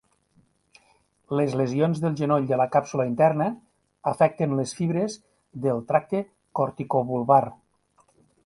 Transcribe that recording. Les lesions del genoll de la càpsula interna afecten les fibres del tracte corticobulbar.